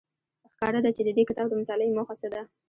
ښکاره ده چې د دې کتاب د مطالعې موخه څه ده.